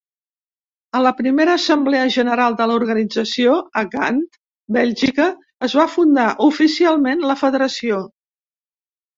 A la primera assemblea general de l'organització, a Gant, Bèlgica, es va fundar oficialment la federació.